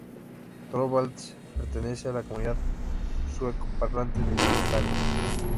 Torvalds pertenece a la comunidad sueco-parlante de Finlandia.